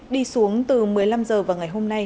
đi xuống từ một mươi năm h vào ngày hôm nay